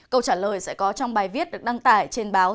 câu trả lời sẽ có trong bài viết được đăng tải trên báo